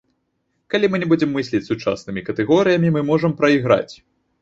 Калі мы не будзем мысліць сучаснымі катэгорыямі мы можам прайграць.